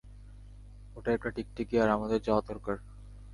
ওটা একটা টিকটিকি, আর আমাদের যাওয়া দরকার!